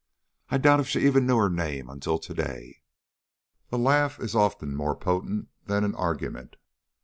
I doubt if she even knew her name till to day." A laugh is often more potent than argument.